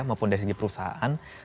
maupun dari segi perusahaan